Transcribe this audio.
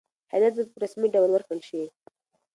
هدایت باید په رسمي ډول ورکړل شي.